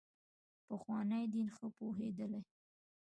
پخواني دین ښه پوهېدلي.